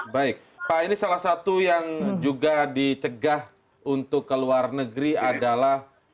baik pak ini salah satu yang juga dicegah untuk ke luar negeri adalah